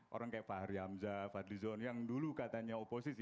orang kayak fahri hamzah fadlizon yang dulu katanya oposisi